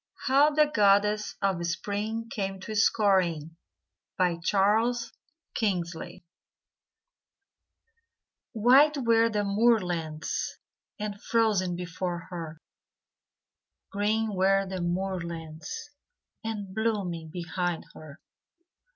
HOW THE GODDESS OF SPRING CAME TO SCORING Charles Kingsley White were the moorlands, And frozen before her; Green were the moorlands, And blooming behind her.